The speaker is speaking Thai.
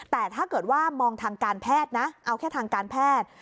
แต่ถ้าเกิดว่ามองทางการแพทย์นะเอาแค่ทางการแพทย์